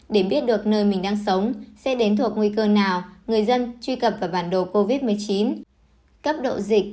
để biết được nơi mình đang sống sẽ đến thuộc nguy cơ nào người dân truy cập vào bản đồ covid một mươi chín